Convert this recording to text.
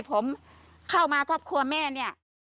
ผมเข้ามาครอบครัวแม่เนี่ย